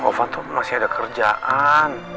ovan tuh masih ada kerjaan